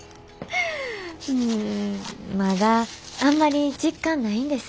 まだあんまり実感ないんです。